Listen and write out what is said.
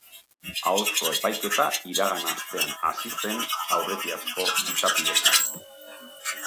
Ahozko epaiketa iragan astean hasi zen aurretiazko izapideekin.